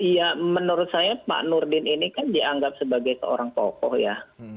ya menurut saya pak nurdin ini kan dianggap sebagai seorang tokoh ya